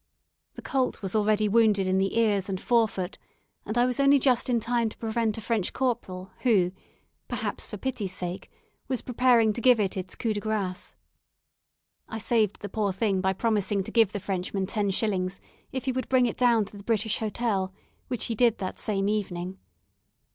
The colt was already wounded in the ears and fore foot, and I was only just in time to prevent a French corporal who, perhaps for pity's sake, was preparing to give it it's coup de grace. I saved the poor thing by promising to give the Frenchman ten shillings if he would bring it down to the British Hotel, which he did that same evening.